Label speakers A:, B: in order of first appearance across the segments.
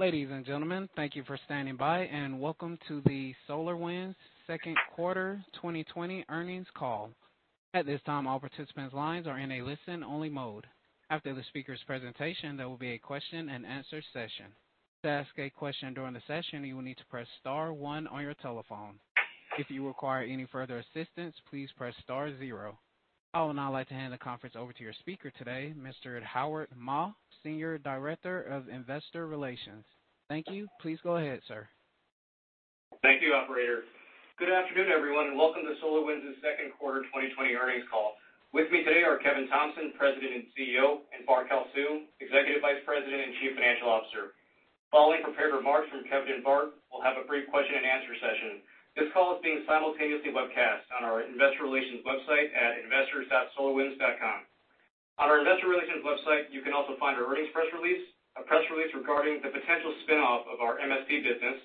A: Ladies and gentlemen, thank you for standing by, and welcome to the SolarWinds second quarter 2020 earnings call. At this time, all participants' lines are in a listen-only mode. After the speaker's presentation, there will be a question-and-answer session. To ask a question during the session, you will need to press star one on your telephone. If you require any further assistance, please press star zero. I would now like to hand the conference over to your speaker today, Mr. Howard Ma, Senior Director of Investor Relations. Thank you. Please go ahead, sir.
B: Thank you, operator. Good afternoon, everyone, welcome to SolarWinds' second quarter 2020 earnings call. With me today are Kevin Thompson, President and CEO, Bart Kalsu, Executive Vice President and Chief Financial Officer. Following prepared remarks from Kevin and Bart, we'll have a brief question-and-answer session. This call is being simultaneously webcast on our investor relations website at investors.solarwinds.com. On our Investor Relations website, you can also find our earnings press release, a press release regarding the potential spin-off of our MSP business,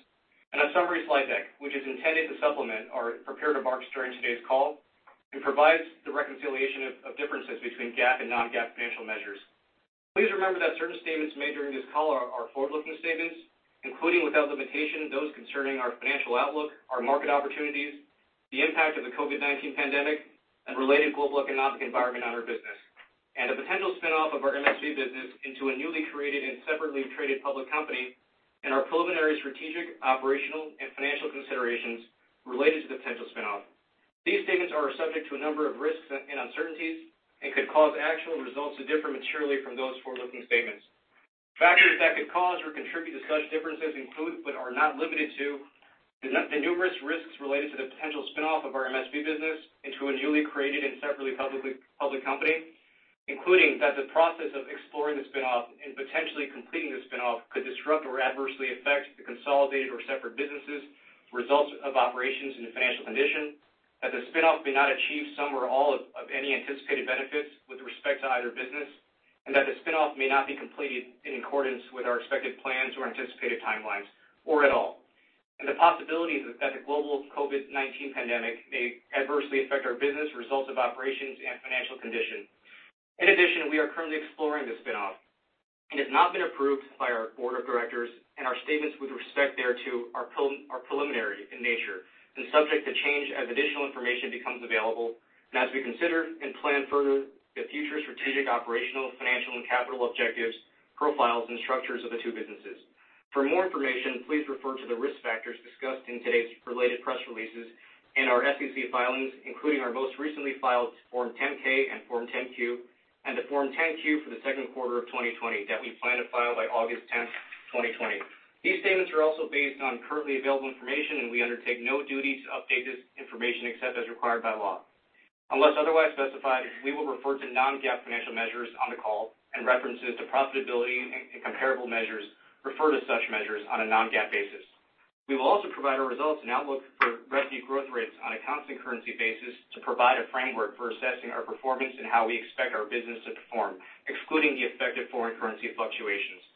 B: a summary slide deck, which is intended to supplement our prepared remarks during today's call and provides the reconciliation of differences between GAAP and non-GAAP financial measures. Please remember that certain statements made during this call are forward-looking statements, including, without limitation, those concerning our financial outlook, our market opportunities, the impact of the COVID-19 pandemic and related global economic environment on our business, and the potential spin-off of our MSP business into a newly created and separately traded public company, and our preliminary strategic, operational, and financial considerations related to the potential spin-off. These statements are subject to a number of risks and uncertainties and could cause actual results to differ materially from those forward-looking statements. Factors that could cause or contribute to such differences include, but are not limited to, the numerous risks related to the potential spin-off of our MSP business into a newly created and separately public company, including that the process of exploring the spin-off and potentially completing the spin-off could disrupt or adversely affect the consolidated or separate businesses' results of operations and financial condition, that the spin-off may not achieve some or all of any anticipated benefits with respect to either business, and that the spin-off may not be completed in accordance with our expected plans or anticipated timelines, or at all, and the possibilities that the global COVID-19 pandemic may adversely affect our business, results of operations, and financial condition. In addition, we are currently exploring the spin-off. It has not been approved by our board of directors, and our statements with respect thereto are preliminary in nature and subject to change as additional information becomes available and as we consider and plan further the future strategic, operational, financial, and capital objectives, profiles, and structures of the two businesses. For more information, please refer to the risk factors discussed in today's related press releases and our SEC filings, including our most recently filed Form 10-K and Form 10-Q, and the Form 10-Q for the second quarter of 2020 that we plan to file by August 10, 2020. These statements are also based on currently available information, and we undertake no duty to update this information except as required by law. Unless otherwise specified, we will refer to non-GAAP financial measures on the call and references to profitability and comparable measures refer to such measures on a non-GAAP basis. We will also provide our results and outlook for revenue growth rates on a constant currency basis to provide a framework for assessing our performance and how we expect our business to perform, excluding the effect of foreign currency fluctuations.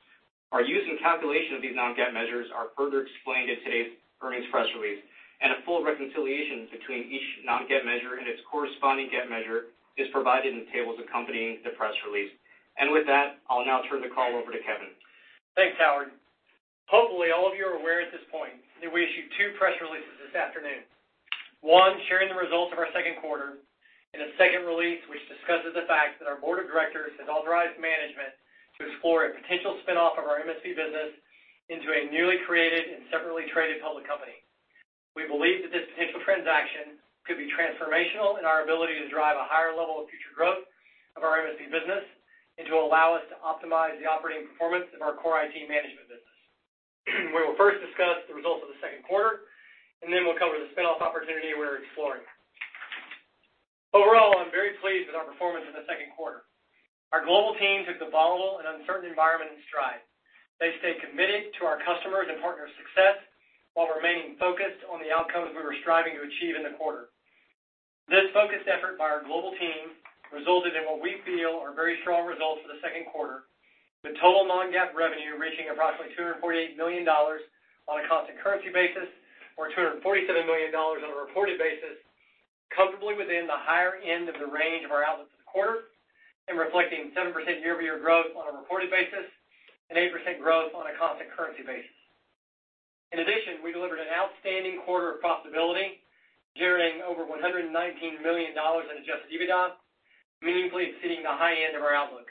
B: Our use and calculation of these non-GAAP measures are further explained in today's earnings press release, and a full reconciliation between each non-GAAP measure and its corresponding GAAP measure is provided in the tables accompanying the press release. With that, I'll now turn the call over to Kevin.
C: Thanks, Howard. Hopefully, all of you are aware at this point that we issued two press releases this afternoon. One sharing the results of our second quarter, a second release which discusses the fact that our board of directors has authorized management to explore a potential spin-off of our MSP business into a newly created and separately traded public company. We believe that this potential transaction could be transformational in our ability to drive a higher level of future growth of our MSP business and to allow us to optimize the operating performance of our core IT management business. We will first discuss the results of the second quarter, then we'll cover the spin-off opportunity we're exploring. Overall, I'm very pleased with our performance in the second quarter. Our global team took the volatile and uncertain environment in stride. They stayed committed to our customers' and partners' success while remaining focused on the outcomes we were striving to achieve in the quarter. This focused effort by our global team resulted in what we feel are very strong results for the second quarter, with total non-GAAP revenue reaching approximately $248 million on a constant currency basis, or $247 million on a reported basis, comfortably within the higher end of the range of our outlook for the quarter and reflecting 7% year-over-year growth on a reported basis and 8% growth on a constant currency basis. In addition, we delivered an outstanding quarter of profitability, generating over $119 million in adjusted EBITDA, meaningfully exceeding the high end of our outlook.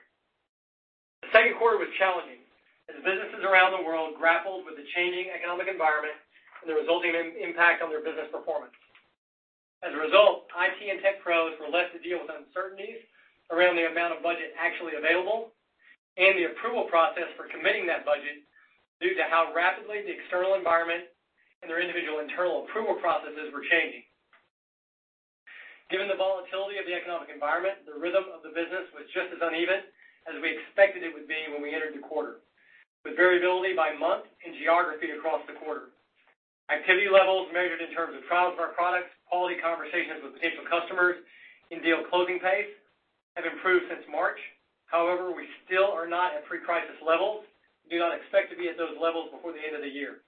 C: The second quarter was challenging as businesses around the world grappled with the changing economic environment and the resulting impact on their business performance. As a result, IT and tech pros were left to deal with uncertainties around the amount of budget actually available and the approval process for committing that budget due to how rapidly the external environment and their individual internal approval processes were changing. Given the volatility of the economic environment, the rhythm of the business was just as uneven as we expected it would be when we entered the quarter, with variability by month and geography across the quarter. Activity levels measured in terms of trials of our products, quality conversations with potential customers, and deal closing pace have improved since March. However, we still are not at pre-crisis levels and do not expect to be at those levels before the end of the year.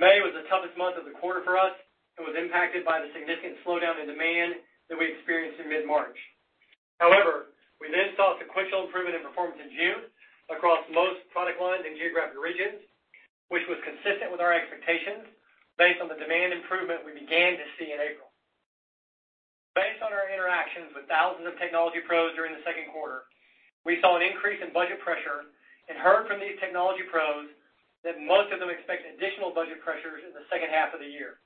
C: May was the toughest month of the quarter for us and was impacted by the significant slowdown in demand that we experienced in mid-March. We then saw sequential improvement in performance in June across most product lines and geographic regions, which was consistent with our expectations based on the demand improvement we began to see in April. Based on our interactions with thousands of technology pros during the second quarter, we saw an increase in budget pressure and heard from these technology pros that most of them expect additional budget pressures in the second half of the year.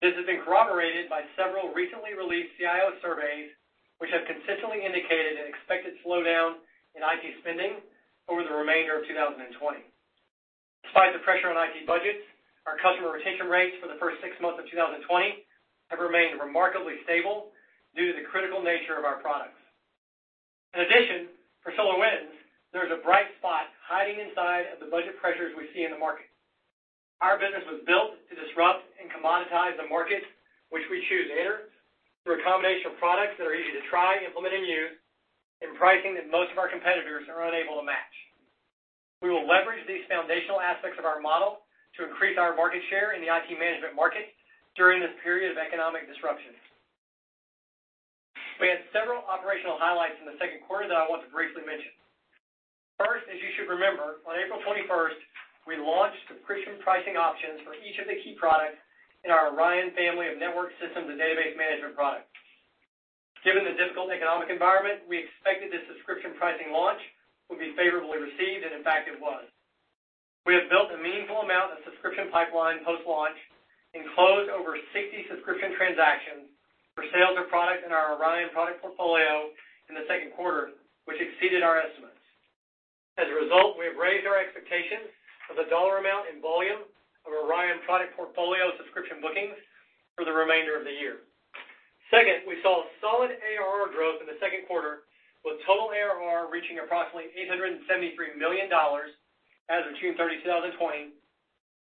C: This has been corroborated by several recently released CIO surveys, which have consistently indicated an expected slowdown in IT spending over the remainder of 2020. Despite the pressure on IT budgets, our customer retention rates for the first six months of 2020 have remained remarkably stable due to the critical nature of our products. For SolarWinds, there is a bright spot hiding inside of the budget pressures we see in the market. Our business was built to disrupt and commoditize the market, which we choose to enter through a combination of products that are easy to try, implement, and use, and pricing that most of our competitors are unable to match. We will leverage these foundational aspects of our model to increase our market share in the IT management market during this period of economic disruption. We had several operational highlights in the second quarter that I want to briefly mention. First, as you should remember, on April 21st, we launched subscription pricing options for each of the key products in our Orion family of network systems and database management products. Given the difficult economic environment, we expected this subscription pricing launch would be favorably received, and in fact, it was. We have built a meaningful amount of subscription pipeline post-launch and closed over 60 subscription transactions for sales of product in our Orion product portfolio in the second quarter, which exceeded our estimates. As a result, we have raised our expectations of the dollar amount and volume of Orion product portfolio subscription bookings for the remainder of the year. Second, we saw solid ARR growth in the second quarter, with total ARR reaching approximately $873 million as of June 30, 2020,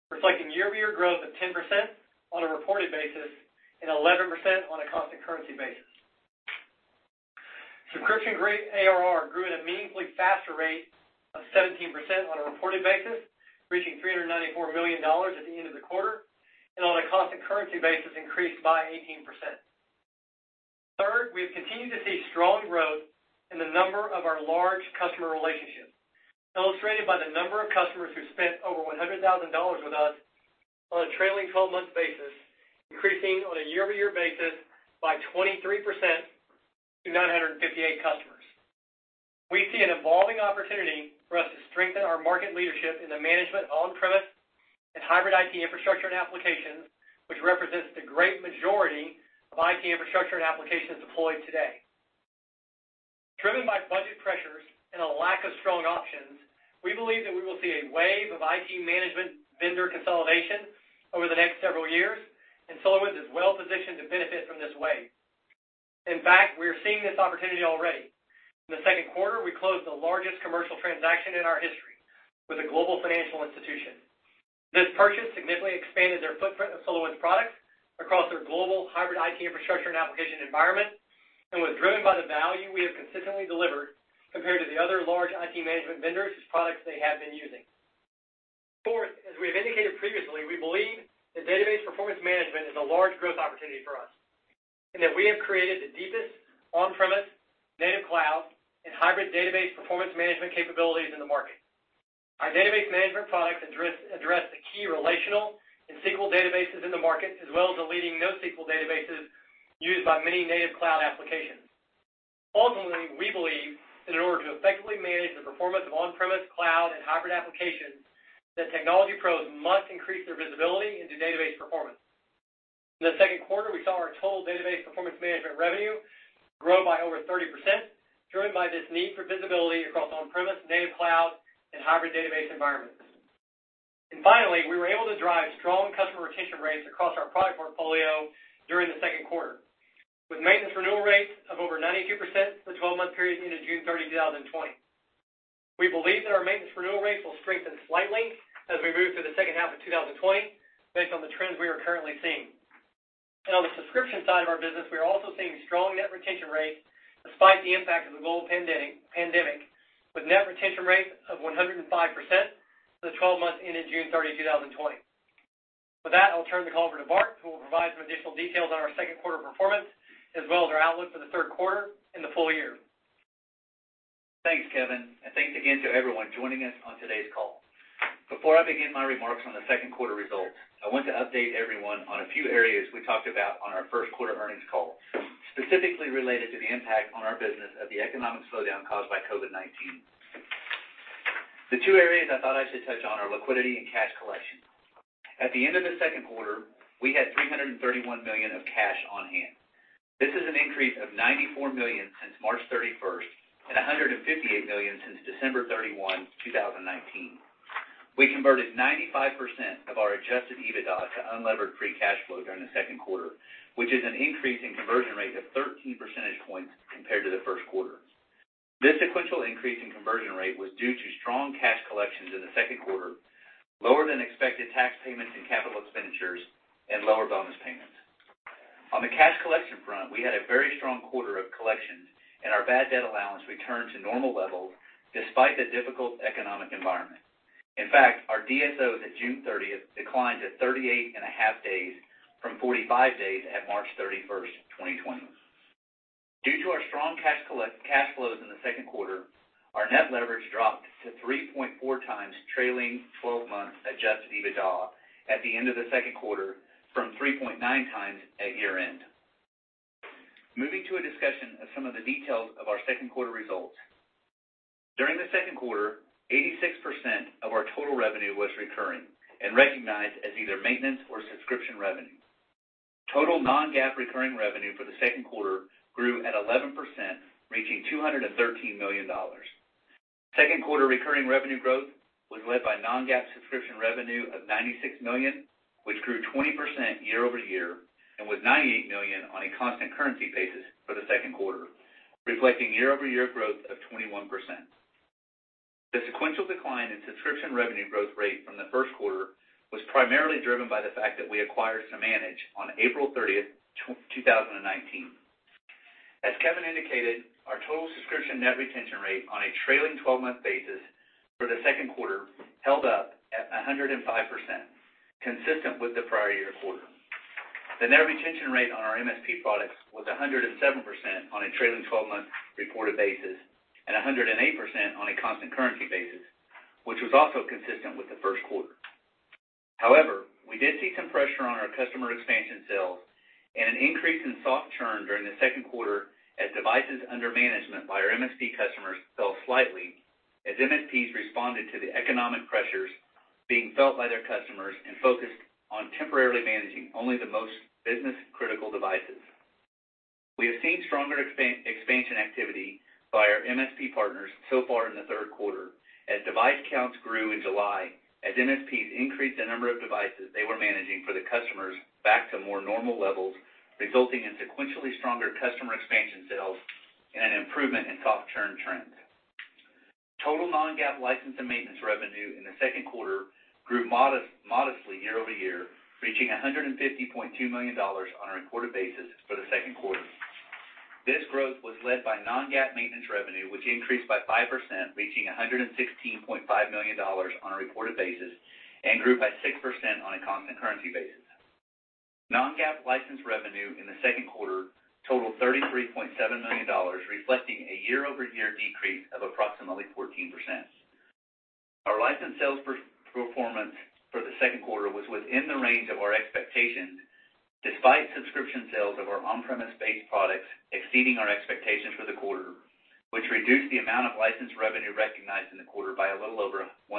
C: reflecting year-over-year growth of 10% on a reported basis and 11% on a constant currency basis. Subscription-grade ARR grew at a meaningfully faster rate of 17% on a reported basis, reaching $394 million at the end of the quarter, and on a constant currency basis, increased by 18%. Third, we have continued to see strong growth in the number of our large customer relationships, illustrated by the number of customers who spent over $100,000 with us on a trailing 12-month basis, increasing on a year-over-year basis by 23% to 958 customers. We see an evolving opportunity for us to strengthen our market leadership in the management on-premise and hybrid IT infrastructure and applications, which represents the great majority of IT infrastructure and applications deployed today. Driven by budget pressures and a lack of strong options, we believe that we will see a wave of IT management vendor consolidation over the next several years, and SolarWinds is well-positioned to benefit from this wave. In fact, we are seeing this opportunity already. In the second quarter, we closed the largest commercial transaction in our history with a global financial institution. This purchase significantly expanded their footprint of SolarWinds products across their global hybrid IT infrastructure and application environment and was driven by the value we have consistently delivered compared to the other large IT management vendors whose products they have been using. Fourth, as we have indicated previously, we believe that database performance management is a large growth opportunity for us, and that we have created the deepest on-premise native cloud and hybrid database performance management capabilities in the market. Our database management products address the key relational and SQL databases in the market, as well as the leading NoSQL databases used by many native cloud applications. Ultimately, we believe that in order to effectively manage the performance of on-premise cloud and hybrid applications, that technology pros must increase their visibility into database performance. In the second quarter, we saw our total database performance management revenue grow by over 30%, driven by this need for visibility across on-premise native cloud and hybrid database environments. Finally, we were able to drive strong customer retention rates across our product portfolio during the second quarter, with maintenance renewal rates of over 92% for the 12-month period ending June 30, 2020. We believe that our maintenance renewal rates will strengthen slightly as we move through the second half of 2020 based on the trends we are currently seeing. On the subscription side of our business, we are also seeing strong net retention rates despite the impact of the global pandemic, with net retention rates of 105% for the 12 months ending June 30, 2020. With that, I'll turn the call over to Bart, who will provide some additional details on our second quarter performance, as well as our outlook for the third quarter and the full year.
D: Thanks, Kevin. Thanks again to everyone joining us on today's call. Before I begin my remarks on the second quarter results, I want to update everyone on a few areas we talked about on our first quarter earnings call, specifically related to the impact on our business of the economic slowdown caused by COVID-19. The two areas I thought I should touch on are liquidity and cash collection. At the end of the second quarter, we had $331 million of cash on hand. This is an increase of $94 million since March 31st and $158 million since December 31, 2019. We converted 95% of our adjusted EBITDA to unlevered free cash flow during the second quarter, which is an increase in conversion rate of 13 percentage points compared to the first quarter. This sequential increase in conversion rate was due to strong cash collections in the second quarter, lower than expected tax payments and capital expenditures, and lower bonus payments. On the cash collection front, we had a very strong quarter of collections, and our bad debt allowance returned to normal levels despite the difficult economic environment. In fact, our DSO as of June 30th declined to 38.5 days from 45 days at March 31st, 2020. Due to our strong cash flows in the second quarter, our net leverage dropped to 3.4x trailing 12 months adjusted EBITDA at the end of the second quarter from 3.9x at year-end. Moving to a discussion of some of the details of our second quarter results. During the second quarter, 86% of our total revenue was recurring and recognized as either maintenance or subscription revenue. Total non-GAAP recurring revenue for the second quarter grew at 11%, reaching $213 million. Second quarter recurring revenue growth was led by non-GAAP subscription revenue of $96 million, which grew 20% year-over-year and was $98 million on a constant currency basis for the second quarter, reflecting year-over-year growth of 21%. The sequential decline in subscription revenue growth rate from the first quarter was primarily driven by the fact that we acquired Samanage on April 30th, 2019. As Kevin indicated, our total subscription net retention rate on a trailing 12-month basis for the second quarter held up at 105%, consistent with the prior year quarter. The net retention rate on our MSP products was 107% on a trailing 12-month reported basis, and 108% on a constant currency basis, which was also consistent with the first quarter. However, we did see some pressure on our customer expansion sales and an increase in soft churn during the second quarter as devices under management by our MSP customers fell slightly as MSPs responded to the economic pressures being felt by their customers and focused on temporarily managing only the most business-critical devices. We have seen stronger expansion activity by our MSP partners so far in the third quarter as device counts grew in July, as MSPs increased the number of devices they were managing for the customers back to more normal levels, resulting in sequentially stronger customer expansion sales and an improvement in soft churn trends. Total non-GAAP license and maintenance revenue in the second quarter grew modestly year-over-year, reaching $150.2 million on a reported basis for the second quarter. This growth was led by non-GAAP maintenance revenue, which increased by 5%, reaching $116.5 million on a reported basis, and grew by 6% on a constant currency basis. Non-GAAP license revenue in the second quarter totaled $33.7 million, reflecting a year-over-year decrease of approximately 14%. Our license sales performance for the second quarter was within the range of our expectations, despite subscription sales of our on-premise-based products exceeding our expectations for the quarter, which reduced the amount of license revenue recognized in the quarter by a little over 1%.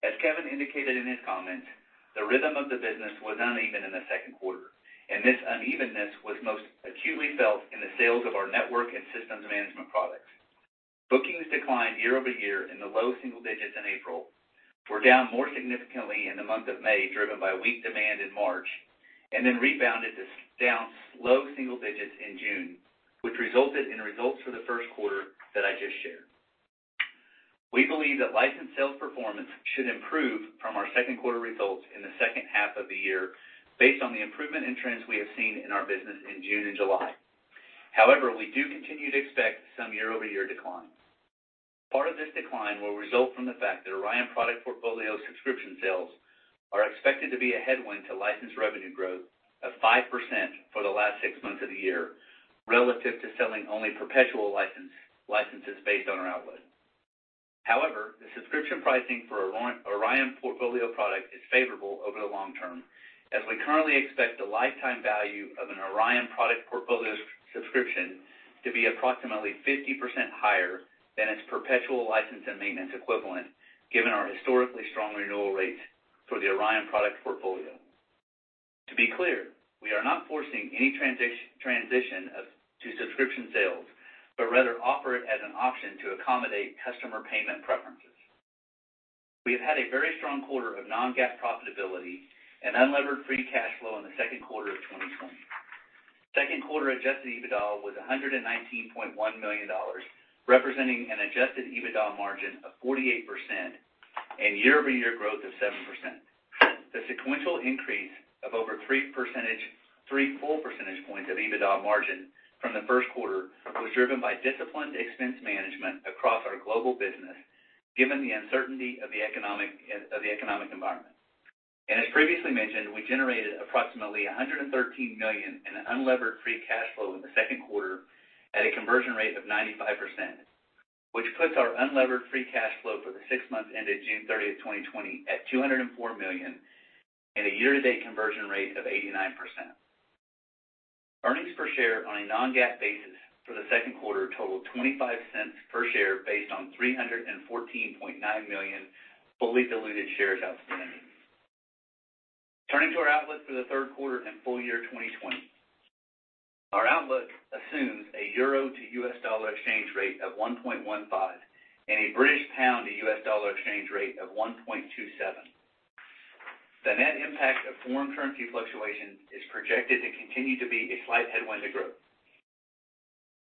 D: As Kevin indicated in his comments, the rhythm of the business was uneven in the second quarter, and this unevenness was most acutely felt in the sales of our network and systems management products. Bookings declined year-over-year in the low single digits in April, were down more significantly in the month of May, driven by weak demand in March, and then rebounded down low single digits in June, which resulted in results for the first quarter that I just shared. We believe that license sales performance should improve from our second quarter results in the second half of the year based on the improvement in trends we have seen in our business in June and July. However, we do continue to expect some year-over-year decline. Part of this decline will result from the fact that Orion product portfolio subscription sales are expected to be a headwind to license revenue growth of 5% for the last six months of the year relative to selling only perpetual licenses based on our outlook. However, the subscription pricing for Orion portfolio product is favorable over the long term, as we currently expect the lifetime value of an Orion product portfolio subscription to be approximately 50% higher than its perpetual license and maintenance equivalent, given our historically strong renewal rates for the Orion product portfolio. To be clear, we are not forcing any transition to subscription sales, but rather offer it as an option to accommodate customer payment preferences. We have had a very strong quarter of non-GAAP profitability and unlevered free cash flow in the second quarter of 2020. Second quarter adjusted EBITDA was $119.1 million, representing an adjusted EBITDA margin of 48% and year-over-year growth of 7%. The sequential increase of over three full percentage points of EBITDA margin from the first quarter was driven by disciplined expense management across our global business, given the uncertainty of the economic environment. As previously mentioned, we generated approximately $113 million in unlevered free cash flow in the second quarter at a conversion rate of 95%, which puts our unlevered free cash flow for the six months ended June 30th, 2020, at $204 million and a year-to-date conversion rate of 89%. Earnings per share on a non-GAAP basis for the second quarter totaled $0.25 per share based on 314.9 million fully diluted shares outstanding. Turning to our outlook for the third quarter and full year 2020. Our outlook assumes a euro to US dollar exchange rate of 1.15 and a British pound to US dollar exchange rate of 1.27. The net impact of foreign currency fluctuation is projected to continue to be a slight headwind to growth.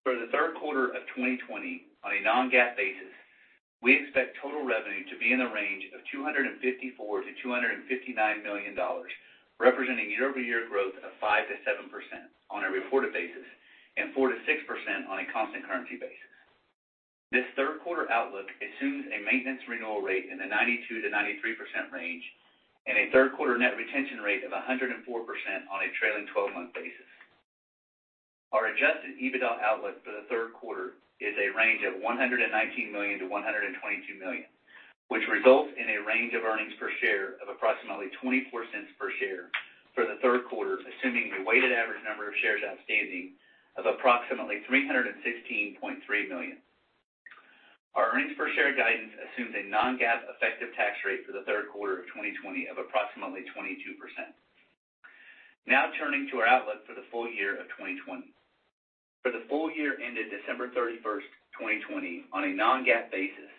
D: For the third quarter of 2020, on a non-GAAP basis, we expect total revenue to be in the range of $254 million-$259 million, representing year-over-year growth of 5%-7% on a reported basis and 4%-6% on a constant currency basis. This third quarter outlook assumes a maintenance renewal rate in the 92%-93% range and a third quarter net retention rate of 104% on a trailing 12-month basis. Our adjusted EBITDA outlook for the third quarter is a range of $119 million-$122 million, which results in a range of earnings per share of approximately $0.24 per share for the third quarter, assuming a weighted average number of shares outstanding of approximately 316.3 million. Our earnings per share guidance assumes a non-GAAP effective tax rate for the third quarter of 2020 of approximately 22%. Turning to our outlook for the full year of 2020. For the full year ended December 31st, 2020, on a non-GAAP basis,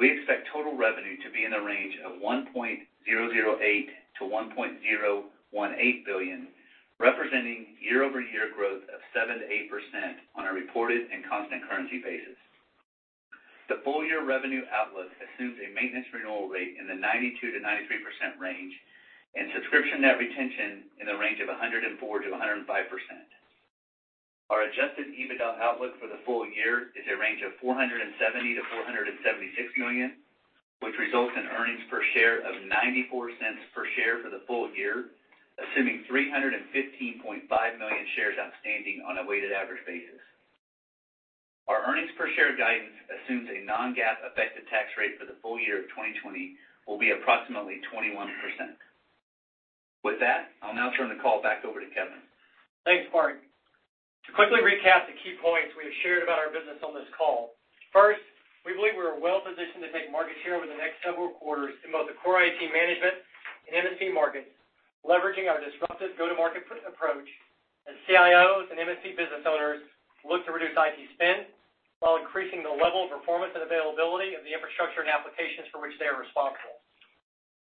D: we expect total revenue to be in the range of $1.008 billion-$1.018 billion, representing year-over-year growth of 7%-8% on a reported and constant currency basis. The full-year revenue outlook assumes a maintenance renewal rate in the 92%-93% range and subscription net retention in the range of 104%-105%. Our adjusted EBITDA outlook for the full year is a range of $470 million-$476 million, which results in earnings per share of $0.94 per share for the full year, assuming 315.5 million shares outstanding on a weighted average basis. Our earnings per share guidance assumes a non-GAAP effective tax rate for the full year of 2020 will be approximately 21%. With that, I'll now turn the call back over to Kevin.
C: Thanks, Bart. To quickly recap the key points we have shared about our business on this call. First, we believe we are well-positioned to take market share over the next several quarters in both the core IT management and MSP markets, leveraging our disruptive go-to-market approach as CIOs and MSP business owners look to reduce IT spend while increasing the level of performance and availability of the infrastructure and applications for which they are responsible.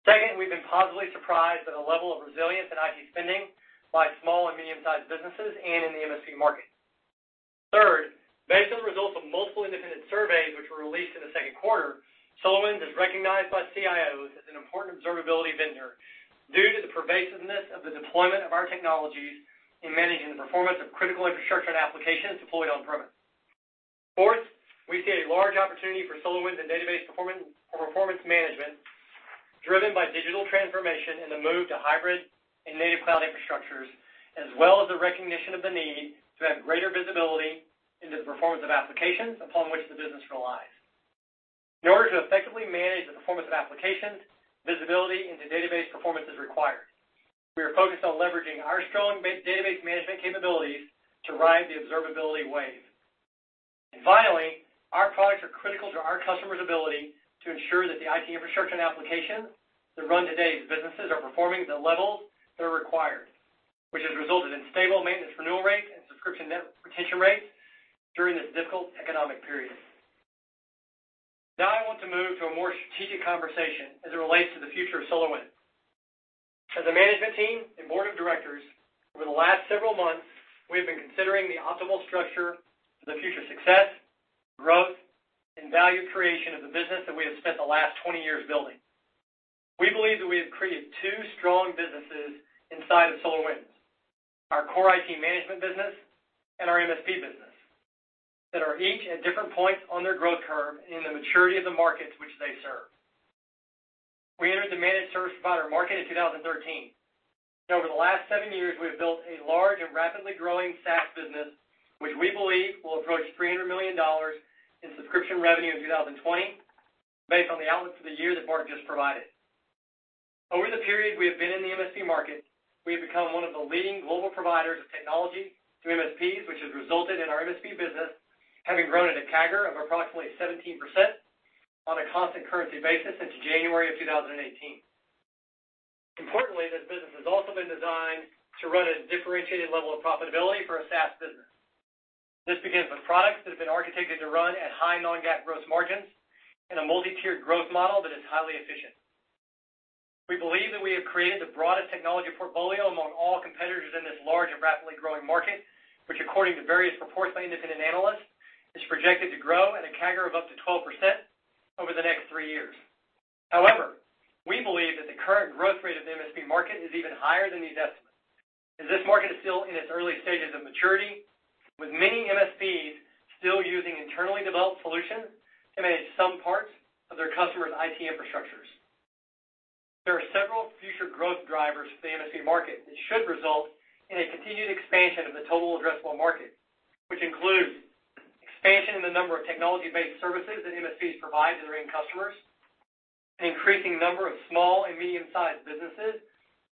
C: Second, we've been positively surprised at the level of resilience in IT spending by small and medium-sized businesses and in the MSP market. Third, based on the results of multiple independent surveys which were released in the second quarter, SolarWinds is recognized by CIOs as an important observability vendor due to the pervasiveness of the deployment of our technologies in managing the performance of critical infrastructure and applications deployed on-premise. Fourth, we see a large opportunity for SolarWinds in database performance or performance management driven by digital transformation and the move to hybrid and native cloud infrastructures, as well as the recognition of the need to have greater visibility into the performance of applications upon which the business relies. In order to effectively manage the performance of applications, visibility into database performance is required. We are focused on leveraging our strong database management capabilities to ride the observability wave. Finally, our products are critical to our customers' ability to ensure that the IT infrastructure and applications that run today's businesses are performing at the levels that are required, which has resulted in stable maintenance renewal rates and subscription net retention rates during this difficult economic period. Now I want to move to a more strategic conversation as it relates to the future of SolarWinds. As a management team and board of directors, over the last several months, we have been considering the optimal structure for the future success, growth, and value creation of the business that we have spent the last 20 years building. We believe that we have created two strong businesses inside of SolarWinds, our core IT management business and our MSP business, that are each at different points on their growth curve in the maturity of the markets which they serve. We entered the managed service provider market in 2013, and over the last seven years, we have built a large and rapidly growing SaaS business, which we believe will approach $300 million in subscription revenue in 2020 based on the outlook for the year that Bart just provided. Over the period we have been in the MSP market, we have become one of the leading global providers of technology to MSPs, which has resulted in our MSP business having grown at a CAGR of approximately 17% on a constant currency basis since January of 2018. Importantly, this business has also been designed to run at a differentiated level of profitability for a SaaS business. This begins with products that have been architected to run at high non-GAAP gross margins in a multi-tiered growth model that is highly efficient. We believe that we have created the broadest technology portfolio among all competitors in this large and rapidly growing market, which according to various reports by independent analysts, is projected to grow at a CAGR of up to 12% over the next three years. However, we believe that the current growth rate of the MSP market is even higher than these estimates, as this market is still in its early stages of maturity, with many MSPs still using internally developed solutions to manage some parts of their customers' IT infrastructures. There are several future growth drivers for the MSP market that should result in a continued expansion of the total addressable market, which include expansion in the number of technology-based services that MSPs provide to their end customers, an increasing number of small and medium-sized businesses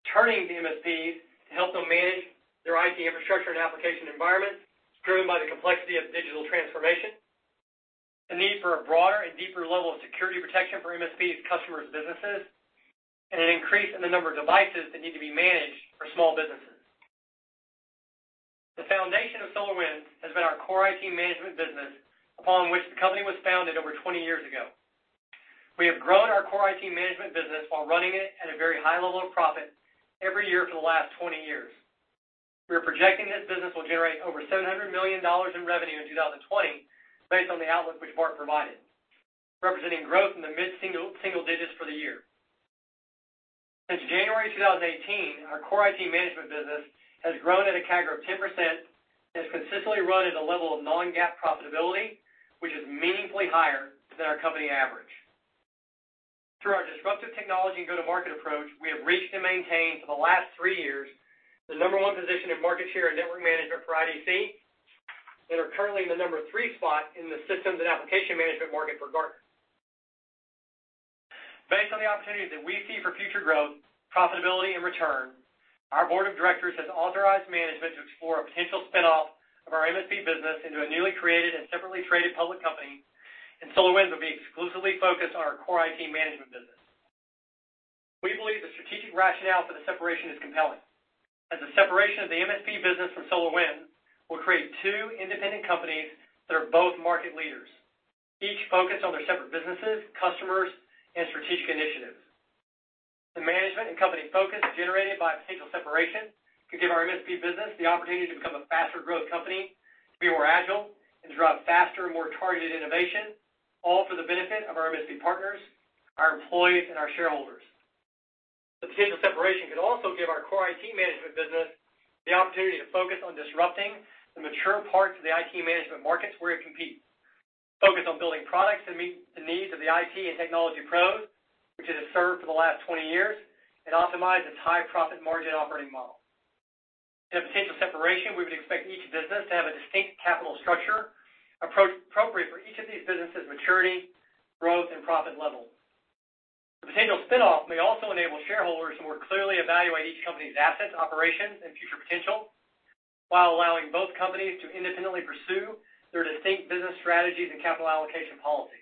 C: turning to MSPs to help them manage their IT infrastructure and application environments driven by the complexity of digital transformation, a need for a broader and deeper level of security protection for MSPs' customers' businesses, and an increase in the number of devices that need to be managed for small businesses. The foundation of SolarWinds has been our core IT management business, upon which the company was founded over 20 years ago. We have grown our core IT management business while running it at a very high level of profit every year for the last 20 years. We are projecting this business will generate over $700 million in revenue in 2020 based on the outlook which Bart provided, representing growth in the mid-single digits for the year. Since January 2018, our core IT management business has grown at a CAGR of 10% and has consistently run at a level of non-GAAP profitability, which is meaningfully higher than our company average. Through our disruptive technology and go-to-market approach, we have reached and maintained for the last three years the number one position in market share and network management for IDC, and are currently in the number three spot in the systems and application management market for Gartner. Based on the opportunities that we see for future growth, profitability, and return, our board of directors has authorized management to explore a potential spin-off of our MSP business into a newly created and separately traded public company, and SolarWinds will be exclusively focused on our core IT management business. We believe the strategic rationale for the separation is compelling, as the separation of the MSP business from SolarWinds will create two independent companies that are both market leaders, each focused on their separate businesses, customers, and strategic initiatives. The management and company focus generated by a potential separation could give our MSP business the opportunity to become a faster-growth company, be more agile, and drive faster and more targeted innovation, all for the benefit of our MSP partners, our employees, and our shareholders. The potential separation could also give our core IT management business the opportunity to focus on disrupting the mature parts of the IT management markets where it competes, focus on building products that meet the needs of the IT and technology pros, which it has served for the last 20 years, and optimize its high-profit margin operating model. In a potential separation, we would expect each business to have a distinct capital structure appropriate for each of these businesses' maturity, growth, and profit levels. The potential spin-off may also enable shareholders to more clearly evaluate each company's assets, operations, and future potential while allowing both companies to independently pursue their distinct business strategies and capital allocation policies.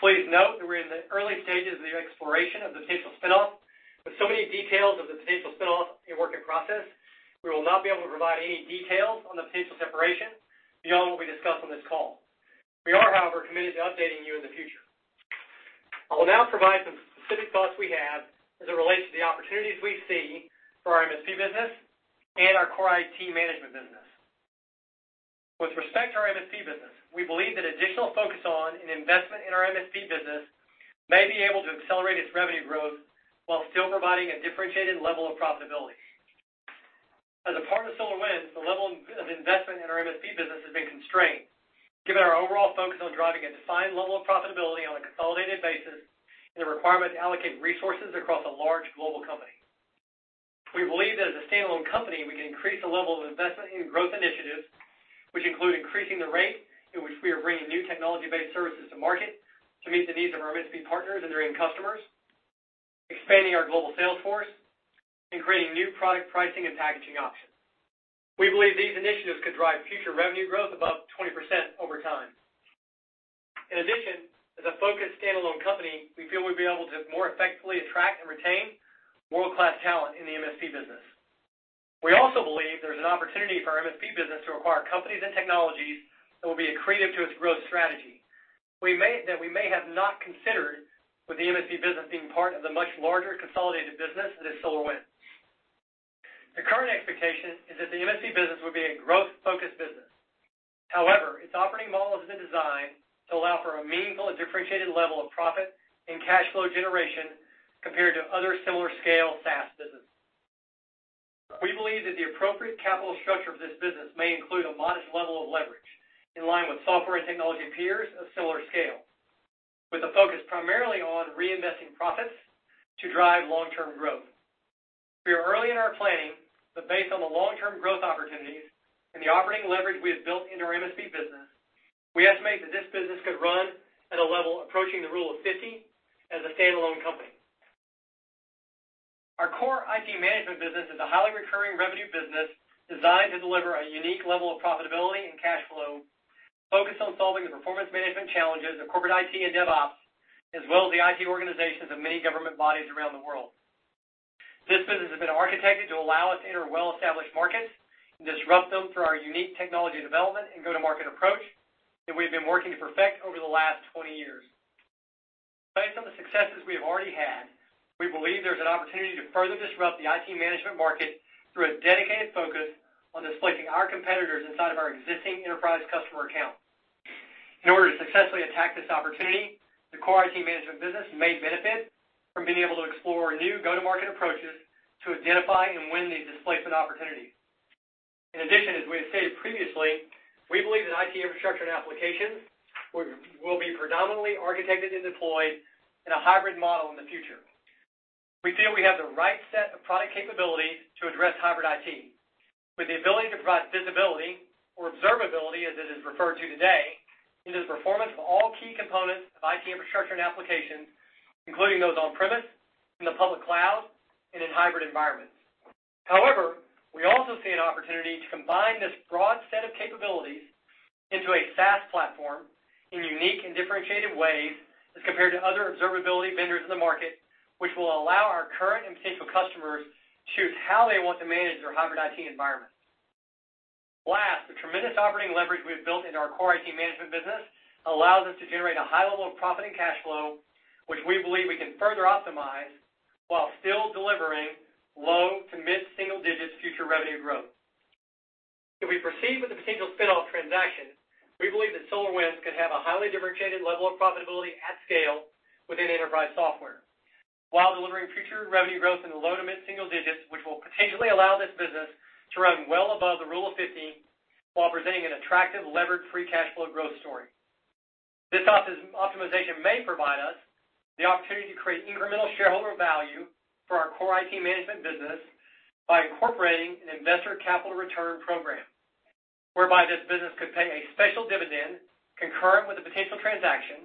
C: Please note that we're in the early stages of the exploration of the potential spin-off. With so many details of the potential spin-off a work in process, we will not be able to provide any details on the potential separation beyond what we discuss on this call. We are, however, committed to updating you in the future. I will now provide some specific thoughts we have as it relates to the opportunities we see for our MSP business and our core IT management business. With respect to our MSP business, we believe that additional focus on an investment in our MSP business may be able to accelerate its revenue growth while still providing a differentiated level of profitability. As a part of SolarWinds, the level of investment in our MSP business has been constrained, given our overall focus on driving a defined level of profitability on a consolidated basis and the requirement to allocate resources across a large global company. We believe that as a standalone company, we can increase the level of investment in growth initiatives, which include increasing the rate in which we are bringing new technology-based services to market to meet the needs of our MSP partners and their end customers, expanding our global sales force, and creating new product pricing and packaging options. We believe these initiatives could drive future revenue growth above 20% over time. In addition, as a focused standalone company, we feel we'd be able to more effectively attract and retain world-class talent in the MSP business. We also believe there's an opportunity for our MSP business to acquire companies and technologies that will be accretive to its growth strategy that we may have not considered with the MSP business being part of the much larger consolidated business that is SolarWinds. The current expectation is that the MSP business would be a growth-focused business. However, its operating model has been designed to allow for a meaningful and differentiated level of profit and cash flow generation compared to other similar scale SaaS businesses. We believe that the appropriate capital structure of this business may include a modest level of leverage in line with software and technology peers of similar scale, with a focus primarily on reinvesting profits to drive long-term growth. We are early in our planning, based on the long-term growth opportunities and the operating leverage we have built into our MSP business, we estimate that this business could run at a level approaching the rule of 50 as a standalone company. Our core IT management business is a highly recurring revenue business designed to deliver a unique level of profitability and cash flow focused on solving the performance management challenges of corporate IT and DevOps, as well as the IT organizations of many government bodies around the world. This business has been architected to allow us to enter well-established markets and disrupt them through our unique technology development and go-to-market approach that we've been working to perfect over the last 20 years. Based on the successes we have already had, we believe there's an opportunity to further disrupt the IT management market through a dedicated focus on displacing our competitors inside of our existing enterprise customer accounts. In order to successfully attack this opportunity, the core IT management business may benefit from being able to explore new go-to-market approaches to identify and win these displacement opportunities. In addition, as we have stated previously, we believe that IT infrastructure and applications will be predominantly architected and deployed in a hybrid model in the future. We feel we have the right set of product capabilities to address hybrid IT, with the ability to provide visibility or observability, as it is referred to today, into the performance of all key components of IT infrastructure and applications, including those on-premise, in the public cloud, and in hybrid environments. However, we also see an opportunity to combine this broad set of capabilities into a SaaS platform in unique and differentiated ways as compared to other observability vendors in the market, which will allow our current and potential customers to choose how they want to manage their hybrid IT environment. Last, the tremendous operating leverage we've built into our core IT management business allows us to generate a high level of profit and cash flow, which we believe we can further optimize while still delivering low to mid-single digits future revenue growth. If we proceed with the potential spin-off transaction, we believe that SolarWinds could have a highly differentiated level of profitability at scale within enterprise software, while delivering future revenue growth in the low to mid-single digits, which will potentially allow this business to run well above the rule of 50 while presenting an attractive levered free cash flow growth story. This optimization may provide us the opportunity to create incremental shareholder value for our core IT management business by incorporating an investor capital return program, whereby this business could pay a special dividend concurrent with the potential transaction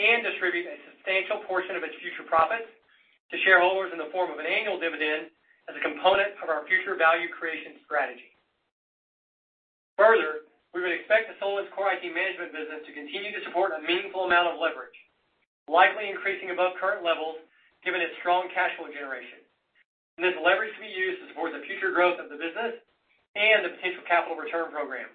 C: and distribute a substantial portion of its future profits to shareholders in the form of an annual dividend as a component of our future value creation strategy. Further, we would expect the SolarWinds core IT management business to continue to support a meaningful amount of leverage, likely increasing above current levels given its strong cash flow generation, and this leverage to be used to support the future growth of the business and the potential capital return program.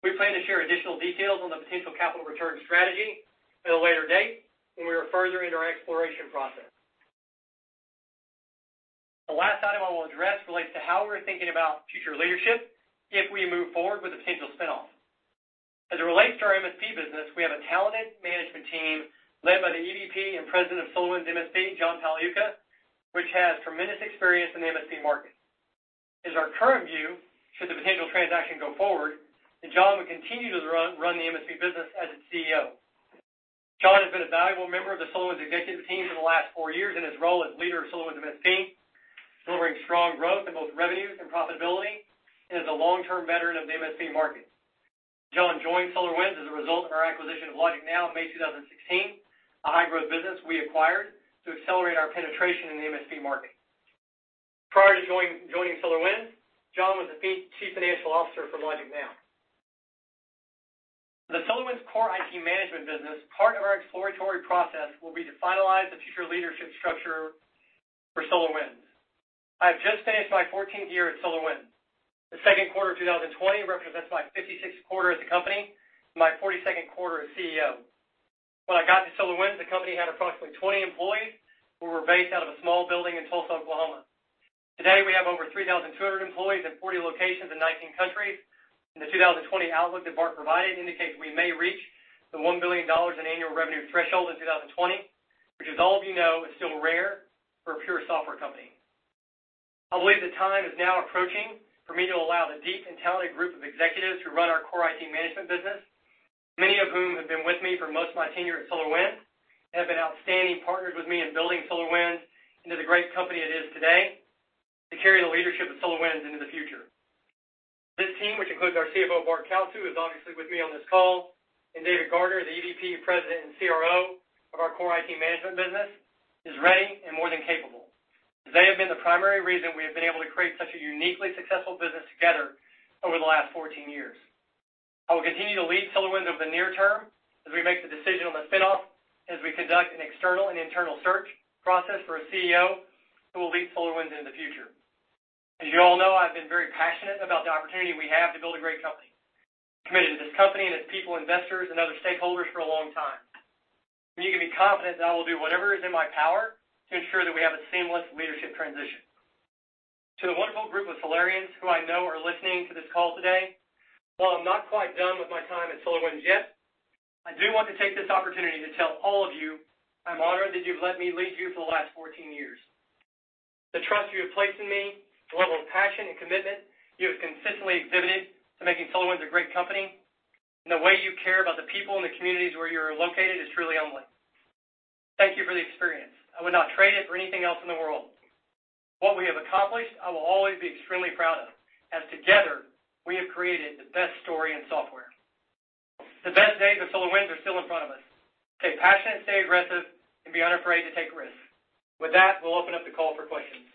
C: We plan to share additional details on the potential capital return strategy at a later date when we are further into our exploration process. The last item I will address relates to how we're thinking about future leadership if we move forward with the potential spin-off. As it relates to our MSP business, we have a talented management team led by the EVP and President of SolarWinds MSP, John Pagliuca, which has tremendous experience in the MSP market. It's our current view, should the potential transaction go forward, that John will continue to run the MSP business as its CEO. John has been a valuable member of the SolarWinds executive team for the last four years in his role as leader of SolarWinds MSP, delivering strong growth in both revenues and profitability, and is a long-term veteran of the MSP market. John joined SolarWinds as a result of our acquisition of LogicNow in May 2016, a high-growth business we acquired to accelerate our penetration in the MSP market. Prior to joining SolarWinds, John was the Chief Financial Officer for LogicNow. The SolarWinds core IT management business, part of our exploratory process will be to finalize the future leadership structure for SolarWinds. I've just finished my 14th year at SolarWinds. The second quarter of 2020 represents my 56th quarter at the company and my 42nd quarter as CEO. When I got to SolarWinds, the company had approximately 20 employees who were based out of a small building in Tulsa, Oklahoma. Today, we have over 3,200 employees in 40 locations in 19 countries, and the 2020 outlook that Bart provided indicates we may reach the $1 billion in annual revenue threshold in 2020, which, as all of you know, is still rare for a pure software company. I believe the time is now approaching for me to allow the deep and talented group of executives who run our core IT management business, many of whom have been with me for most of my tenure at SolarWinds, have been outstanding partners with me in building SolarWinds into the great company it is today, to carry the leadership of SolarWinds into the future. This team, which includes our CFO, Bart Kalsu, who is obviously with me on this call, and David Gardiner, the EVP, President, and CRO of our core IT management business, is ready and more than capable, as they have been the primary reason we have been able to create such a uniquely successful business together over the last 14 years. I will continue to lead SolarWinds over the near term as we make the decision on the spin-off, as we conduct an external and internal search process for a CEO who will lead SolarWinds into the future. As you all know, I've been very passionate about the opportunity we have to build a great company. I'm committed to this company and its people, investors, and other stakeholders for a long time. You can be confident that I will do whatever is in my power to ensure that we have a seamless leadership transition. To the wonderful group of Solarians who I know are listening to this call today, while I'm not quite done with my time at SolarWinds yet, I do want to take this opportunity to tell all of you I'm honored that you've let me lead you for the last 14 years. The trust you have placed in me, the level of passion and commitment you have consistently exhibited to making SolarWinds a great company, and the way you care about the people in the communities where you're located is truly humbling. Thank you for the experience. I would not trade it for anything else in the world. What we have accomplished, I will always be extremely proud of, as together, we have created the best story in software. The best days of SolarWinds are still in front of us. Stay passionate, stay aggressive, and be unafraid to take risks. With that, we'll open up the call for questions.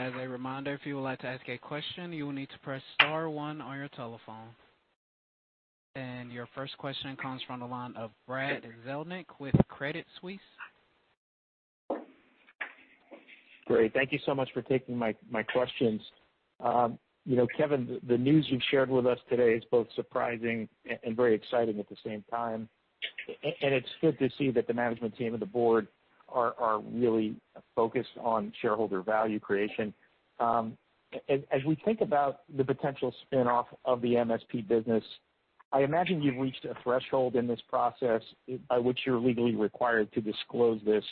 A: As a reminder, if you would like to ask a question, you will need to press star one on your telephone. Your first question comes from the line of Brad Zelnick with Credit Suisse.
E: Great. Thank you so much for taking my questions. Kevin, the news you've shared with us today is both surprising and very exciting at the same time. It's good to see that the management team and the board are really focused on shareholder value creation. As we think about the potential spin-off of the MSP business, I imagine you've reached a threshold in this process by which you're legally required to disclose this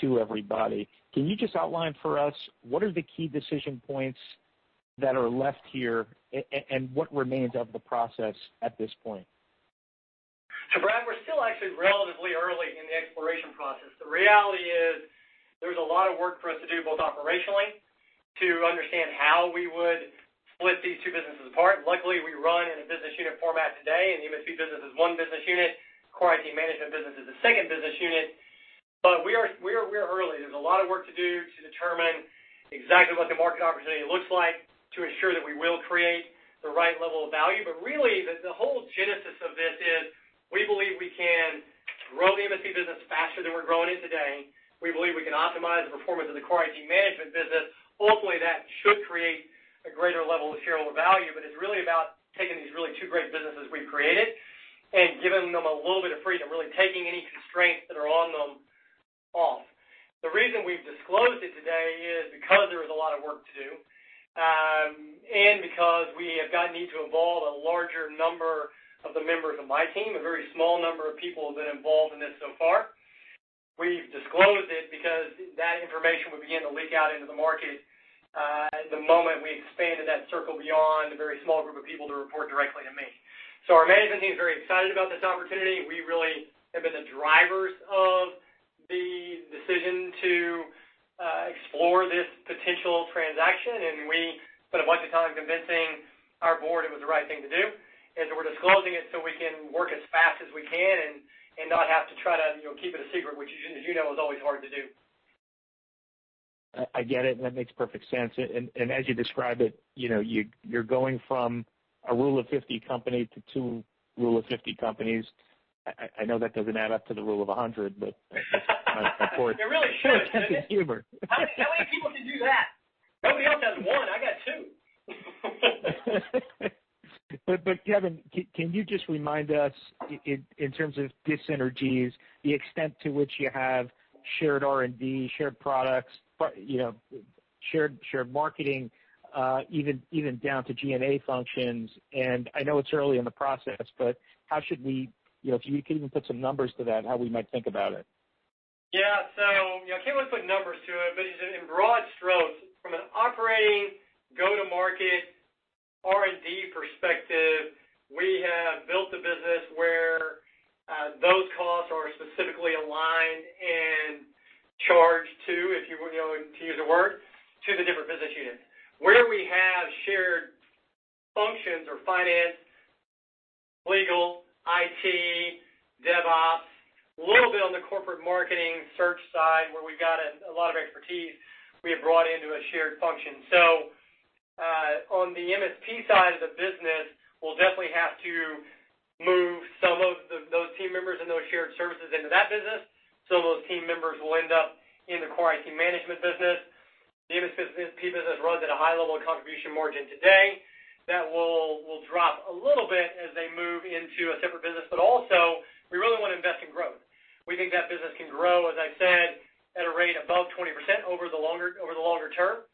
E: to everybody. Can you just outline for us what are the key decision points that are left here, and what remains of the process at this point?
C: Brad, we're still actually relatively early in the exploration process. The reality is, there's a lot of work for us to do both operationally to understand how we would split these two businesses apart. Luckily, we run in a business unit format today, and the MSP business is one business unit, Core IT Management business is the second business unit. But we're early. There's a lot of work to do to determine exactly what the market opportunity looks like to ensure that we will create the right level of value. But really, the whole genesis of this is we believe we can grow the MSP business faster than we're growing it today. We believe we can optimize the performance of the Core IT Management business. Hopefully, that should create a greater level of shareholder value, but it's really about taking these really two great businesses we've created and giving them a little bit of freedom, really taking any constraints that are on them off. The reason we've disclosed it today is because there is a lot of work to do, because we have got need to involve a larger number of the members of my team, a very small number of people have been involved in this so far. We've disclosed it because that information would begin to leak out into the market at the moment we expanded that circle beyond the very small group of people that report directly to me. Our management team is very excited about this opportunity, and we really have been the drivers of the decision to explore this potential transaction. We spent a bunch of time convincing our board it was the right thing to do. We're disclosing it so we can work as fast as we can and not have to try to keep it a secret, which, as you know, is always hard to do.
E: I get it, that makes perfect sense. As you describe it, you're going from a rule of 50 company to two rule of 50 companies. I know that doesn't add up to the rule of 100.
C: It really should.
E: That's just humor.
C: How many people can do that? Nobody else has one. I got two.
E: Kevin, can you just remind us in terms of dyssynergies, the extent to which you have shared R&D, shared products, shared marketing, even down to G&A functions, and I know it's early in the process, but if you could even put some numbers to that, how we might think about it.
C: Yeah. I can't really put numbers to it, but in broad strokes, from an operating go-to-market R&D perspective, we have built a business where those costs are specifically aligned and charged to use a word, to the different business units. Where we have shared functions or finance, legal, IT, DevOps, a little bit on the corporate marketing search side where we've got a lot of expertise we have brought into a shared function. On the MSP side of the business, we'll definitely have to move some of those team members and those shared services into that business. Some of those team members will end up in the Core IT Management Business. The MSP business runs at a high level of contribution margin today. That will drop a little bit as they move into a separate business. Also, we really want to invest in growth. We think that business can grow, as I said, at a rate above 20% over the longer term.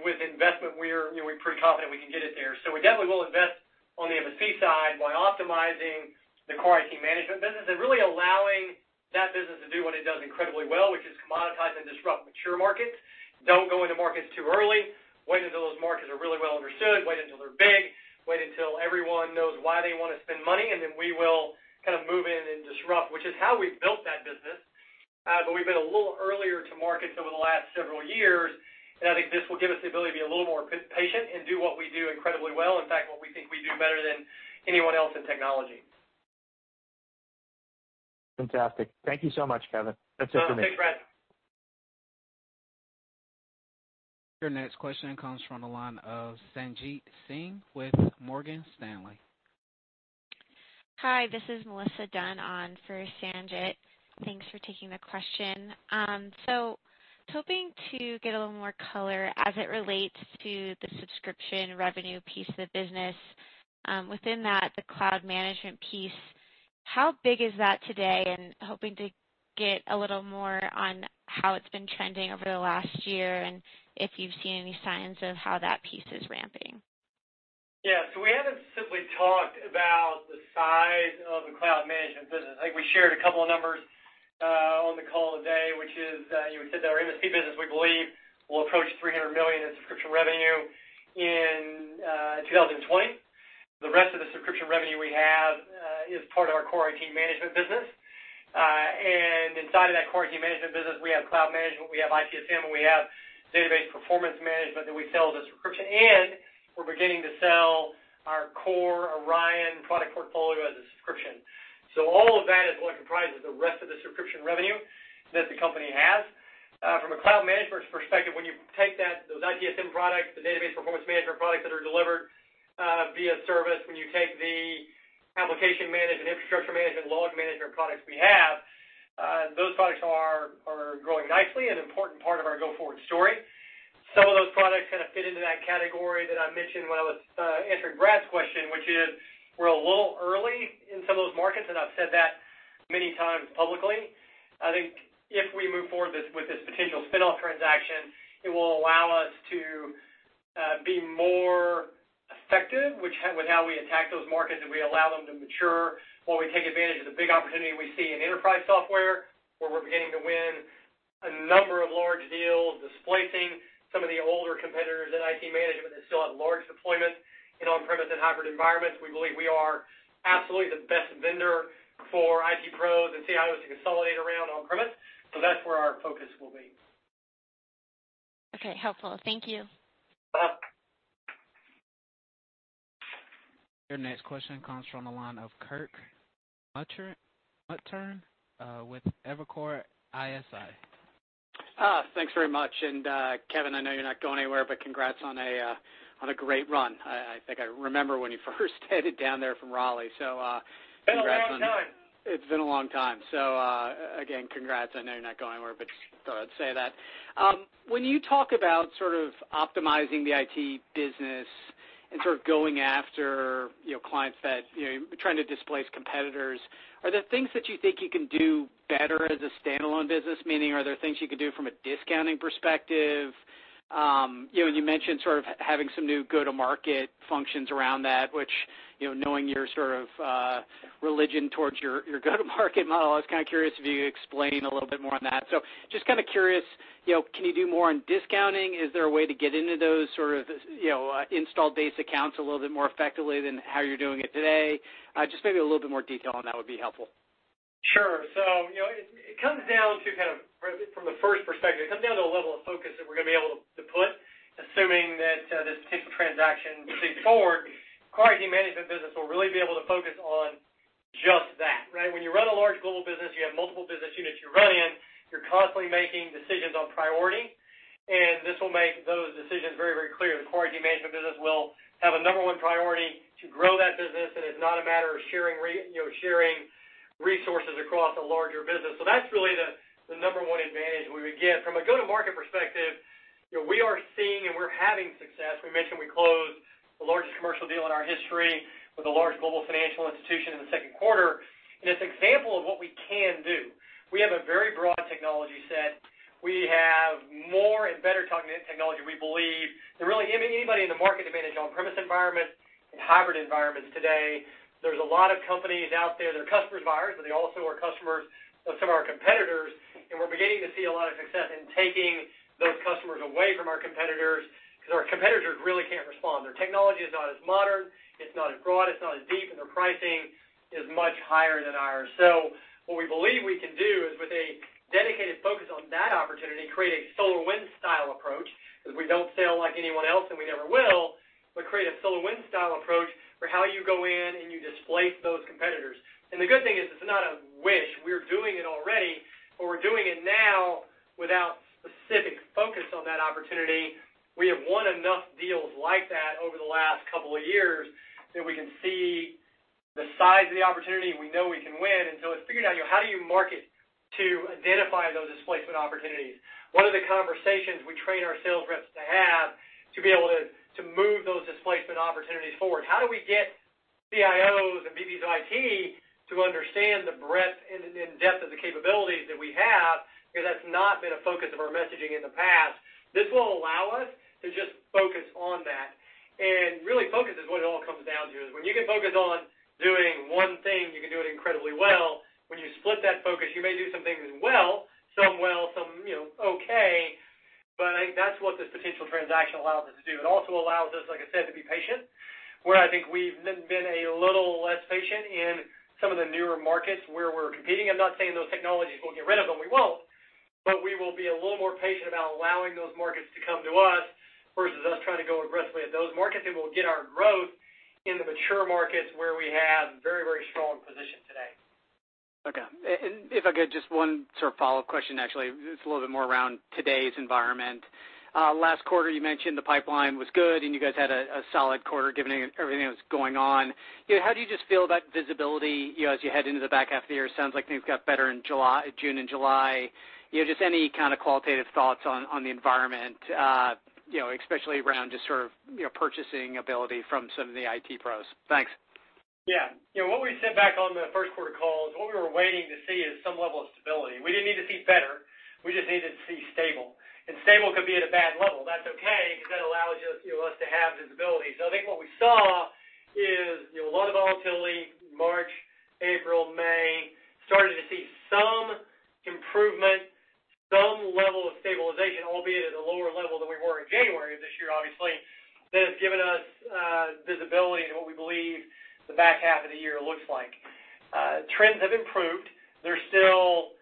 C: With investment, we're pretty confident we can get it there. We definitely will invest on the MSP side while optimizing the Core IT Management business and really allowing that business to do what it does incredibly well, which is commoditize and disrupt mature markets. Don't go into markets too early. Wait until those markets are really well understood. Wait until they're big. Wait until everyone knows why they want to spend money, and then we will kind of move in and disrupt, which is how we've built that business. We've been a little earlier to market over the last several years, and I think this will give us the ability to be a little more patient and do what we do incredibly well. In fact, what we think we do better than anyone else in technology.
E: Fantastic. Thank you so much, Kevin. That's it for me.
C: Thanks, Brad.
A: Your next question comes from the line of Sanjit Singh with Morgan Stanley.
F: Hi, this is Melissa Dunn on for Sanjit. Thanks for taking the question. Hoping to get a little more color as it relates to the subscription revenue piece of the business. Within that, the cloud management piece, how big is that today? Hoping to get a little more on how it's been trending over the last year, and if you've seen any signs of how that piece is ramping?
C: We haven't specifically talked about the size of the cloud management business. I think we shared a couple of numbers on the call today, which is that we said that our MSP business, we believe, will approach $300 million in subscription revenue in 2020. The rest of the subscription revenue we have is part of our Core IT Management business. Inside of that Core IT Management business, we have cloud management, we have ITSM, and we have database performance management that we sell as a subscription. We're beginning to sell our core Orion product portfolio as a subscription. All of that is what comprises the rest of the subscription revenue that the company has. From a cloud management perspective, when you take those ITSM products, the database performance management products that are delivered via service, when you take the application management, infrastructure management, log management products we have, those products are growing nicely and an important part of our go-forward story. Some of those products kind of fit into that category that I mentioned when I was answering Brad's question, which is we're a little early in some of those markets, and I've said that many times publicly. I think if we move forward with this potential spin-off transaction, it will allow us to be more effective with how we attack those markets, and we allow them to mature while we take advantage of the big opportunity we see in enterprise software, where we're beginning to win a number of large deals displacing some of the older competitors in IT management that still have large deployments in on-premise and hybrid environments. We believe we are absolutely the best vendor for IT pros and CIOs to consolidate around on-premise. That's where our focus will be.
F: Okay. Helpful. Thank you.
A: Your next question comes from the line of Kirk Materne with Evercore ISI.
G: Thanks very much. Kevin, I know you're not going anywhere, congrats on a great run. I think I remember when you first headed down there from Raleigh.
C: It's been a long time.
G: It's been a long time. Again, congrats. I know you're not going anywhere, but just thought I'd say that. When you talk about sort of optimizing the IT business and sort of going after clients that you're trying to displace competitors, are there things that you think you can do better as a standalone business? Meaning, are there things you can do from a discounting perspective? You mentioned sort of having some new go-to-market functions around that, which, knowing your sort of religion towards your go-to-market model, I was kind of curious if you could explain a little bit more on that. Just kind of curious, can you do more on discounting? Is there a way to get into those sort of installed base accounts a little bit more effectively than how you're doing it today? Just maybe a little bit more detail on that would be helpful.
C: Sure. It comes down to kind of, from the first perspective, it comes down to a level of focus that we're going to be able to put, assuming that this potential transaction moves forward, Core IT Management business will really be able to focus on just that, right? When you run a large global business, you have multiple business units you're running, you're constantly making decisions on priority. This will make those decisions very clear. The Core IT Management business will have a number one priority to grow that business, and it's not a matter of sharing resources across a larger business. That's really the number one advantage we would get. From a go-to-market perspective, we are seeing and we're having success. We mentioned we closed the largest commercial deal in our history with a large global financial institution in the second quarter, and it's an example of what we can do. We have a very broad technology set. We have more and better technology. We believe there really isn't anybody in the market that manages on-premise environments and hybrid environments today. There's a lot of companies out there that are customers of ours, but they also are customers of some of our competitors. We're beginning to see a lot of success in taking those customers away from our competitors because our competitors really can't respond. Their technology is not as modern, it's not as broad, it's not as deep, and their pricing is much higher than ours. What we believe we can do is, with a dedicated focus on that opportunity, create a SolarWinds style approach, because we don't sell like anyone else and we never will, but create a SolarWinds style approach for how you go in and you displace those competitors. The good thing is, it's not a wish. We're doing it already, but we're doing it now without specific focus on that opportunity. We have won enough deals like that over the last couple of years that we can see the size of the opportunity, and we know we can win. It's figuring out how do you market to identify those displacement opportunities? What are the conversations we train our sales reps to have to be able to move those displacement opportunities forward? How do we get CIOs and VPs of IT to understand the breadth and depth of the capabilities that we have, because that's not been a focus of our messaging in the past. This will allow us to just focus on that. Really focus is what it all comes down to, is when you can focus on doing one thing, you can do it incredibly well. When you split that focus, you may do some things well, some well, some okay. I think that's what this potential transaction allows us to do. It also allows us, like I said, to be patient, where I think we've been a little less patient in some of the newer markets where we're competing. I'm not saying those technologies, we'll get rid of them. We won't. We will be a little more patient about allowing those markets to come to us versus us trying to go aggressively at those markets, and we'll get our growth in the mature markets where we have a very strong position today.
G: Okay. If I could, just one sort of follow-up question, actually. It's a little bit more around today's environment. Last quarter, you mentioned the pipeline was good, and you guys had a solid quarter given everything that was going on. How do you just feel about visibility as you head into the back half of the year? It sounds like things got better in June and July. Just any kind of qualitative thoughts on the environment, especially around just sort of purchasing ability from some of the IT pros. Thanks.
C: Yeah. What we said back on the first quarter call is what we were waiting to see is some level of stability. We didn't need to see better. We just needed to see stable. Stable could be at a bad level. That's okay, because that allows us to have visibility. I think what we saw is a lot of volatility March, April, May. Started to see some improvement, some level of stabilization, albeit at a lower level than we were in January of this year, obviously, that has given us visibility into what we believe the back half of the year looks like. Trends have improved. They're still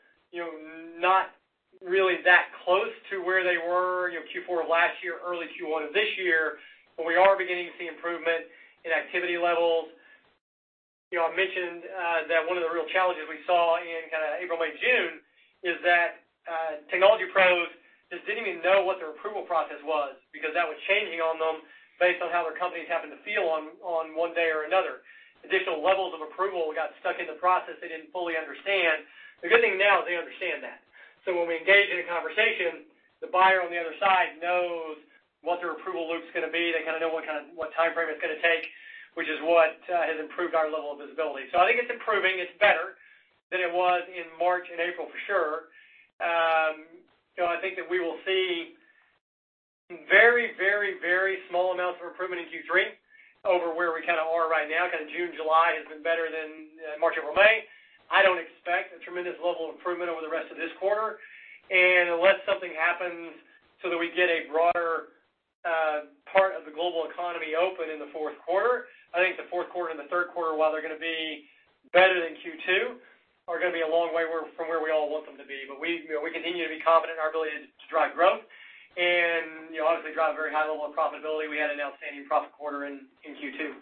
C: not really that close to where they were Q4 of last year, early Q1 of this year, but we are beginning to see improvement in activity levels. I mentioned that one of the real challenges we saw in kind of April, May, June is that technology pros just didn't even know what their approval process was because that was changing on them based on how their companies happened to feel on one day or another. Additional levels of approval got stuck in the process they didn't fully understand. The good thing now is they understand that. When we engage in a conversation, the buyer on the other side knows what their approval loop's going to be. They kind of know what timeframe it's going to take, which is what has improved our level of visibility. I think it's improving. It's better than it was in March and April, for sure. I think that we will see very small amounts of improvement in Q3 over where we kind of are right now. Kind of June, July has been better than March, April, May. I don't expect a tremendous level of improvement over the rest of this quarter. Unless something happens so that we get a broader part of the global economy open in the fourth quarter, I think the fourth quarter and the third quarter, while they're going to be better than Q2, are going to be a long way from where we all want them to be. We continue to be confident in our ability to drive growth and obviously drive a very high level of profitability. We had an outstanding profit quarter in Q2.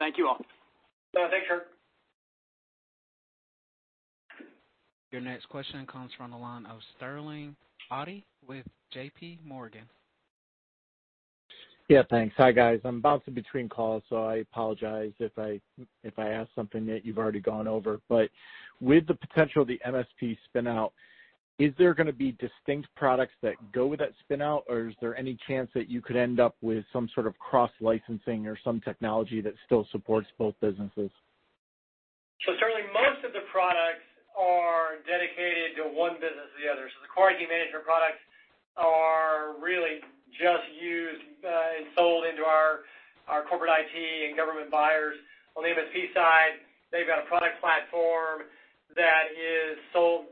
G: Thank you all.
C: Yeah. Thanks, Kirk.
A: Your next question comes from the line of Sterling Auty with JPMorgan.
H: Yeah, thanks. Hi, guys. I'm bouncing between calls, so I apologize if I ask something that you've already gone over. With the potential of the MSP spin-out, is there going to be distinct products that go with that spin-out? Is there any chance that you could end up with some sort of cross-licensing or some technology that still supports both businesses?
C: Certainly, most of the products are dedicated to one business or the other. The Core IT management products are really just used and sold into our corporate IT and government buyers. On the MSP side, they've got a product platform that has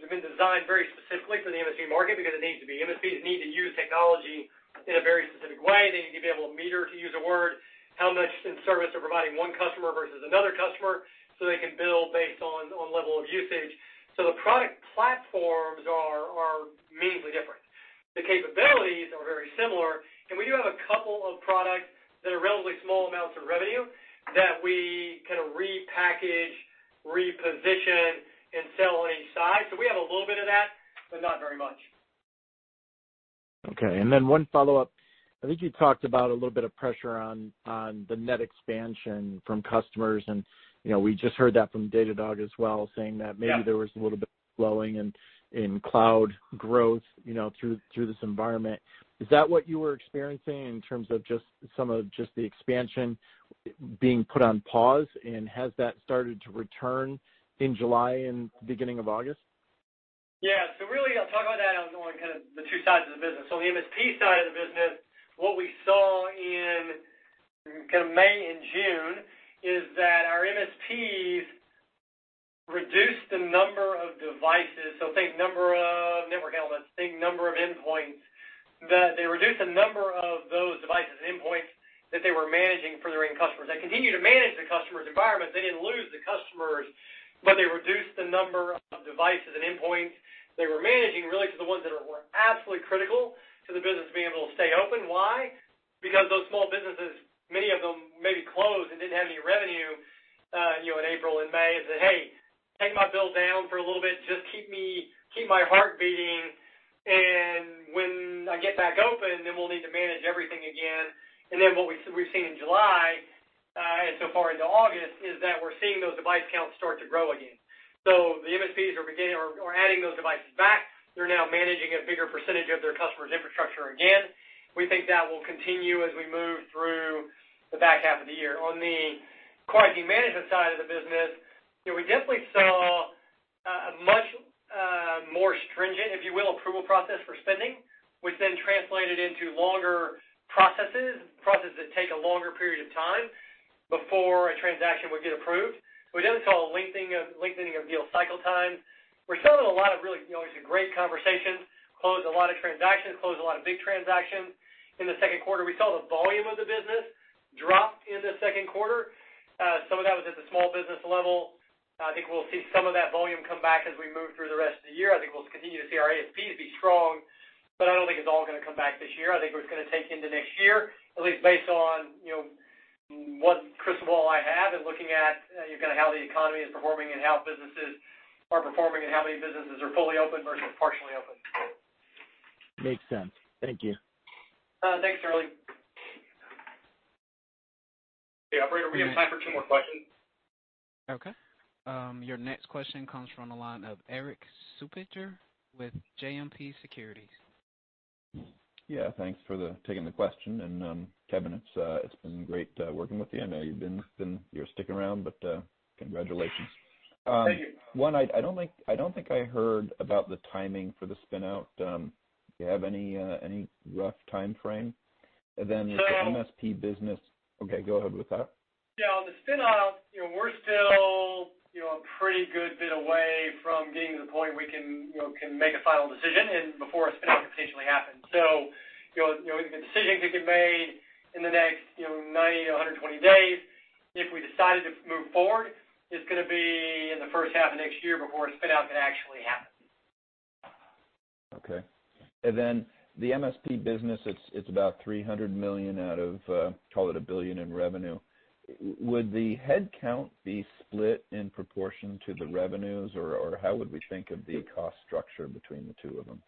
C: been designed very specifically for the MSP market because it needs to be. MSPs need to use technology in a very specific way. They need to be able to meter, to use a word, how much in service they're providing one customer versus another customer, so they can bill based on level of usage. The product platforms are meaningfully different. The capabilities are very similar, and we do have a couple of products that are relatively small amounts of revenue that we kind of repackage, reposition, and sell on each side. We have a little bit of that, but not very much.
H: Okay. One follow-up. I think you talked about a little bit of pressure on the net expansion from customers, and we just heard that from Datadog as well, saying that maybe there was a little bit of slowing in cloud growth through this environment. Is that what you were experiencing in terms of just some of the expansion being put on pause? Has that started to return in July and beginning of August?
C: Yeah. Really, I'll talk about that on kind of the two sides of the business. On the MSP side of the business, what we saw in kind of May and June is that our MSPs reduced the number of devices. Think number of network elements, think number of endpoints, that they reduced the number of those devices and endpoints that they were managing for their end customers. They continued to manage the customer's environment. They didn't lose the customers, but they reduced the number of devices and endpoints they were managing really to the ones that were absolutely critical to the business being able to stay open. Why? Because those small businesses, many of them maybe closed and didn't have any revenue in April and May and said, hey, take my bill down for a little bit. Just keep my heart beating, and when I get back open, then we'll need to manage everything again. What we've seen in July, and so far into August, is that we're seeing those device counts start to grow again. The MSPs are beginning or adding those devices back. They're now managing a bigger percentage of their customers' infrastructure again. We think that will continue as we move through the back half of the year. On the Core IP management side of the business, we definitely saw a much more stringent, if you will, approval process for spending, which then translated into longer processes that take a longer period of time before a transaction would get approved. We did see a lengthening of deal cycle time. We're still in a lot of really great conversations, closed a lot of transactions, closed a lot of big transactions in the second quarter. We saw the volume of the business drop in the second quarter. Some of that was at the small business level. I think we'll see some of that volume come back as we move through the rest of the year. I think we'll continue to see our ASPs be strong, but I don't think it's all going to come back this year. I think it's going to take into next year, at least based on what crystal ball I have in looking at kind of how the economy is performing and how businesses are performing, and how many businesses are fully open versus partially open.
H: Makes sense. Thank you.
C: Thanks, Sterling. Hey, operator, we have time for two more questions.
A: Okay. Your next question comes from the line of Erik Suppiger with JMP Securities.
I: Yeah. Thanks for taking the question. Kevin, it's been great working with you. I know you're sticking around. Congratulations.
C: Thank you.
I: One, I don't think I heard about the timing for the spin-out. Do you have any rough timeframe?
C: So-
I: The MSP business. Okay, go ahead with that.
C: Yeah, on the spin-out, we're still a pretty good bit away from getting to the point we can make a final decision and before a spin-out can potentially happen. The decision could be made in the next 90-120 days. If we decided to move forward, it's going to be in the first half of next year before a spin-out can actually happen.
I: Okay. The MSP business, it's about $300 million out of, call it $1 billion in revenue. Would the head count be split in proportion to the revenues? How would we think of the cost structure between the two of them?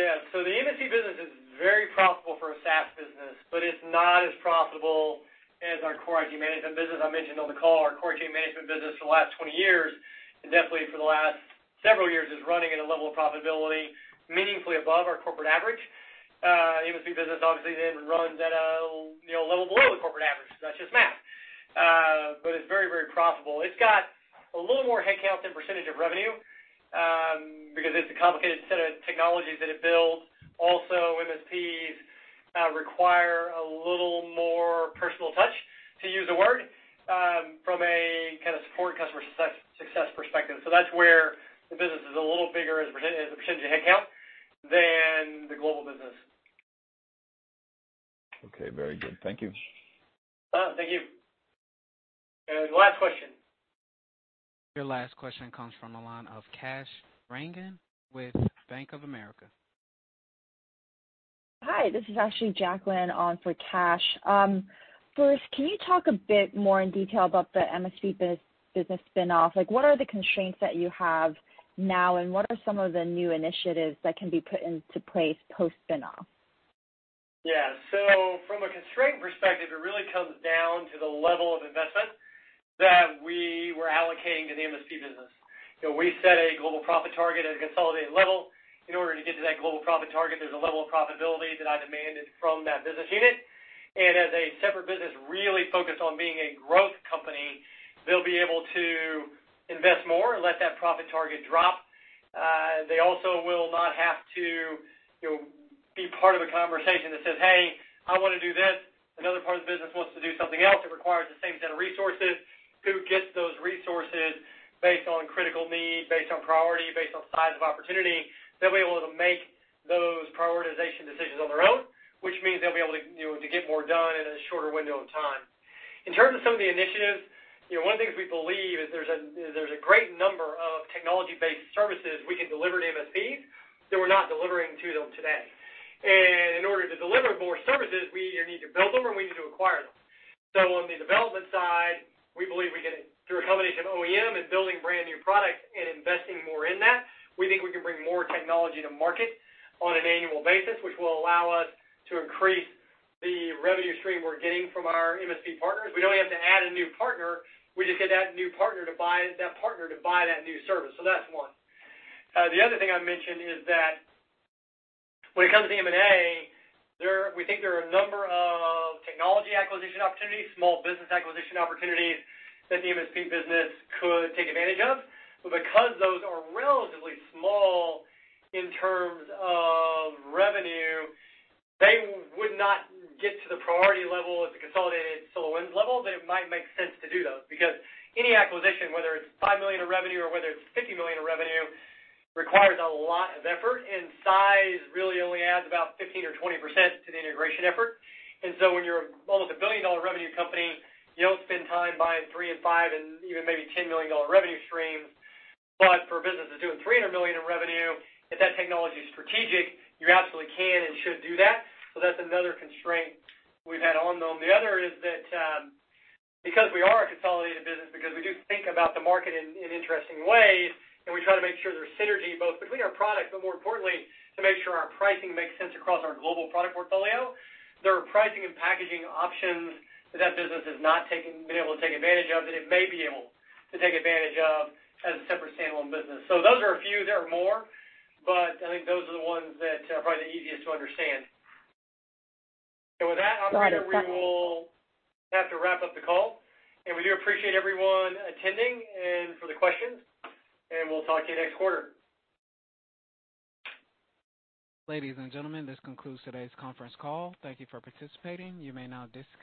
C: Yeah. The MSP business is very profitable for a SaaS business, but it's not as profitable as our Core IP management business. I mentioned on the call, our Core IP management business for the last 20 years, and definitely for the last several years, is running at a level of profitability meaningfully above our corporate average. MSP business obviously runs at a level below the corporate average. That's just math. It's very profitable. It's got a little more head count than percentage of revenue because it's a complicated set of technologies that it builds. Also, MSPs require a little more personal touch, to use a word, from a kind of support customer success perspective. That's where the business is a little bigger as a percentage of head count than the global business.
I: Okay, very good. Thank you.
C: Thank you. Last question.
A: Your last question comes from the line of Kash Rangan with Bank of America.
J: Hi, this is actually Jacqueline on for Kash. First, can you talk a bit more in detail about the MSP business spinoff? What are the constraints that you have now, and what are some of the new initiatives that can be put into place post-spinoff?
C: From a constraint perspective, it really comes down to the level of investment that we were allocating to the MSP business. We set a global profit target at a consolidated level. In order to get to that global profit target, there's a level of profitability that I demanded from that business unit. As a separate business really focused on being a growth company, they'll be able to invest more and let that profit target drop. They also will not have to be part of a conversation that says, hey, I want to do this. Another part of the business wants to do something else that requires the same set of resources. Who gets those resources based on critical need, based on priority, based on size of opportunity? They'll be able to make those prioritization decisions on their own, which means they'll be able to get more done in a shorter window of time. In terms of some of the initiatives, one of the things we believe is there's a great number of technology-based services we can deliver to MSPs that we're not delivering to them today. In order to deliver more services, we either need to build them or we need to acquire them. On the development side, we believe we can, through a combination of OEM and building brand-new products and investing more in that, we think we can bring more technology to market on an annual basis, which will allow us to increase the revenue stream we're getting from our MSP partners. We don't have to add a new partner. We just add that partner to buy that new service. That's one. The other thing I mentioned is that when it comes to M&A, we think there are a number of technology acquisition opportunities, small business acquisition opportunities that the MSP business could take advantage of. Because those are relatively small in terms of revenue, they would not get to the priority level at the consolidated SolarWinds level, but it might make sense to do those because any acquisition, whether it's $5 million in revenue or whether it's $50 million in revenue, requires a lot of effort, and size really only adds about 15% or 20% to the integration effort. When you're almost a billion-dollar revenue company, you don't spend time buying $3 million and $5 million and even maybe $10 million revenue streams. For a business that's doing $300 million in revenue, if that technology is strategic, you absolutely can and should do that. That's another constraint we've had on them. The other is that because we are a consolidated business, because we do think about the market in interesting ways, and we try to make sure there's synergy both between our products, but more importantly, to make sure our pricing makes sense across our global product portfolio, there are pricing and packaging options that that business has not been able to take advantage of, that it may be able to take advantage of as a separate standalone business. Those are a few. There are more, but I think those are the ones that are probably the easiest to understand. With that, operator, we will have to wrap up the call, and we do appreciate everyone attending and for the questions, and we'll talk to you next quarter.
A: Ladies and gentlemen, this concludes today's conference call. Thank you for participating. You may now disconnect.